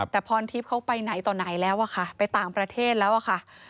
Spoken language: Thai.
แต่พรทิพย์เขาไปไหนต่อไหนแล้วอะค่ะไปต่างประเทศแล้วอะค่ะ